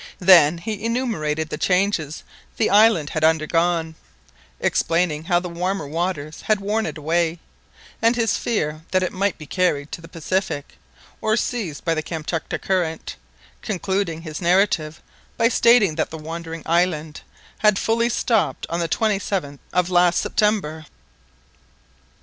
Then he enumerated the changes the island had undergone, explaining how the warmer waters had worn it away, and his fear that it might be carried to the Pacific, or seized by the Kamtchatka Current, concluding his narrative by stating that the wandering island had finally stopped on the 27th of last September.